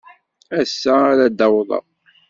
Ass-a ara d-awḍeɣ.